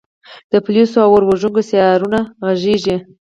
د پولیسو او اور وژونکو سایرنونه غږیږي